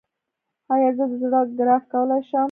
ایا زه د زړه ګراف کولی شم؟